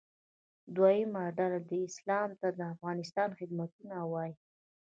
دویمه ډله دې اسلام ته د افغانستان خدمتونه ووایي.